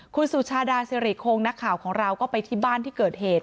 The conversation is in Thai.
คุณสุชาดาสิริคงนักข่าวของเราก็ไปที่บ้านที่เกิดเหตุ